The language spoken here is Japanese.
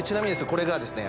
これがですね